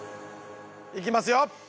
いきますよ！